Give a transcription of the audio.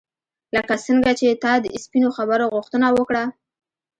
لکه څنګه چې تا د سپینو خبرو غوښتنه وکړه.